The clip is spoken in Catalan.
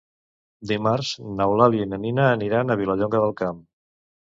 Dimarts n'Eulàlia i na Nina aniran a Vilallonga del Camp.